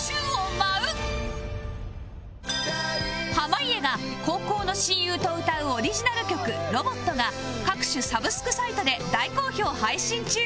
濱家が高校の親友と歌うオリジナル曲『ロボット』が各種サブスクサイトで大好評配信中